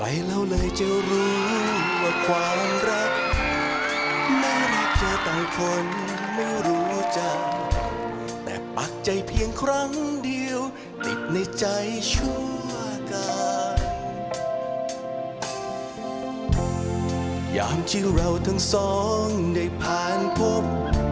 อย่างที่เราทั้งสองได้ผ่านพ้น